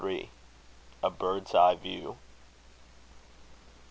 A BIRD'S EYE VIEW.